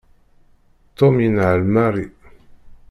Tom yenɛel Mary.